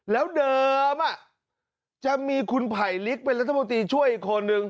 แล้วเดิมจะมีคุณไผลลิกเป็นรัฐมนตรีช่วยอีกคนนึง